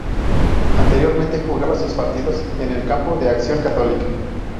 Anteriormente jugaba sus partidos en el campo de Acción Católica.